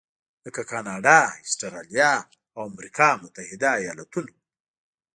لکه کاناډا، اسټرالیا او امریکا متحده ایالتونو.